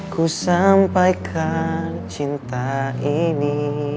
kusampaikan cinta ini